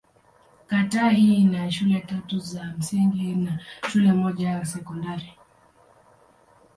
Kata hii ina shule tatu za msingi na shule moja ya sekondari.